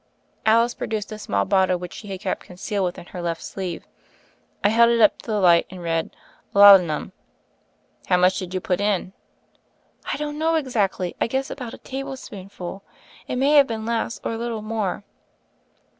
Alice produced a small bottle which she had kept concealed within her left sleeve. I held it up to the light, and read : ^'Lauda num" "How much did you put in?" "I don't know exactly. I guess about a table spoonful, it may have been less, or a little more."